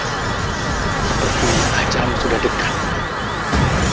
seperti ini hajam sudah dekat